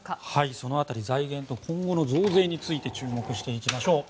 その辺り財源と今後の増税について注目していきましょう。